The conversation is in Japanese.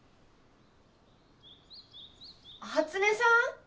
初音さん？